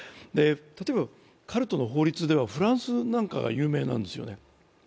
例えば、カルトの法律ではフランスなんかが有名なんですよね。